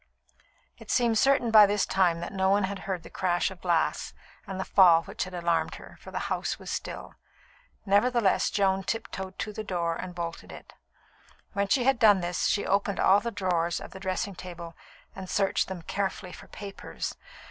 It seemed certain by this time that no one had heard the crash of glass and the fall which had alarmed her, for the house was still. Nevertheless, Joan tiptoed to the door and bolted it. When she had done this, she opened all the drawers of the dressing table and searched them carefully for papers.